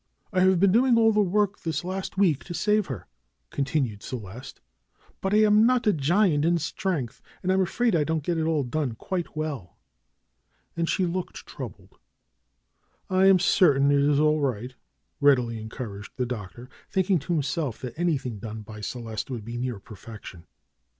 "I have been doing all the work this last week to save her," continued Celeste. "But I am not a giant in strength, and I'm afraid I don't get it all done quite well." And she looked troubled. "I am certain it is all right,"' readily encouraged the Doctor, thinking to himself that anything done by Ce leste would be near perfection.